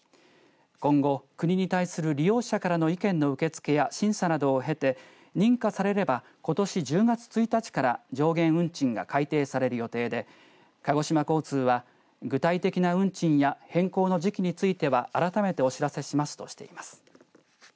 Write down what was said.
今後、国に対する利用者からの意見の受け付けや審査などを経て認可されればことし１０月１日から上限運賃が改定される予定で鹿児島交通は、具体的な運賃や変更の時期については改めてお知らせしますとしています。